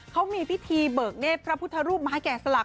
เขามีพิธีเบิกเนธพระพุทธรูปไม้แก่สลัก